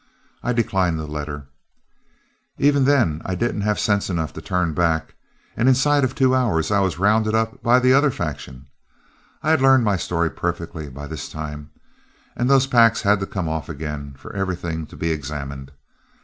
I declined the letter. Even then I didn't have sense enough to turn back, and inside of two hours I was rounded up by the other faction. I had learned my story perfectly by this time, but those packs had to come off again for everything to be examined.